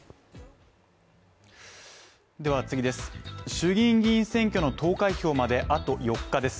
衆議院議員選挙の投開票まであと４日です。